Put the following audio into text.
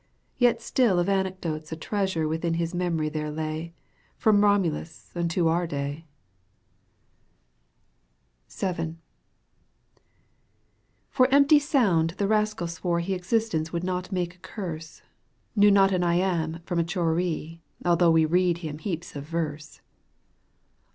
Yet still of anecdotes a treasure Within his memory there lay. From Eomulus unto our day. Digitized byCjOOSl^ CANTO I. EUGENE ONEGUINK VII. For empty sound the rascal swore he Existence would not make a curse, E[new not an iamb from a choree, Although we read him heaps of verse.